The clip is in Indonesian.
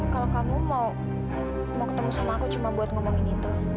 kalau kamu mau ketemu sama aku cuma buat ngomongin itu